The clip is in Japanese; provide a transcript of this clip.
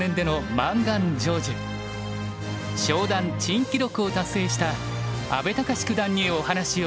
昇段珍記録を達成した阿部隆九段にお話を伺いました。